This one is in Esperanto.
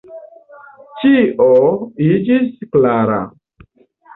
Ĉio iĝis klara.